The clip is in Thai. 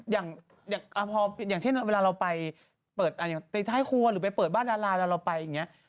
อย่างพออย่างเช่นเวลาเราไปเปิดอย่างในท้ายครัวหรือไปเปิดบ้านดาราแล้วเราไปอย่างนี้